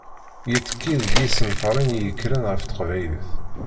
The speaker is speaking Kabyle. Yettekki deg yisenfaren i yekkren ɣef Teqbaylit.